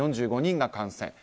４５人が感染。